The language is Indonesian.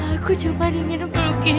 aku cuma ingin melukis ya